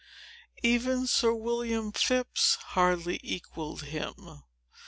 Even Sir William Phips hardly equalled him.